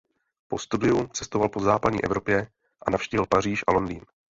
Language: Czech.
Po studiu cestoval po západní Evropě a navštívil Paříž a Londýn.